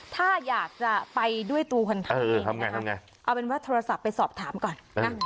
ถ้าอยากจะไปด้วยตัวคนไทยเอาเป็นว่าโทรศัพท์ไปสอบถามก่อน